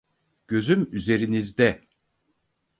Gözüm üzerinizde.